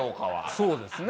そうですね。